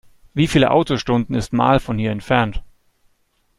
Wie viele Autostunden ist Marl von hier entfernt?